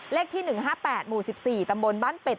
เลขที่๑๕๘หมู่๑๔ตำบลบ้านเป็ด